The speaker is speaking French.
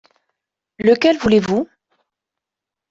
Lequel voulez-vous ?